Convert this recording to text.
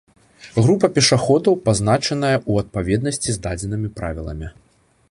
група пешаходаў, пазначаная ў адпаведнасці з дадзенымі Правіламі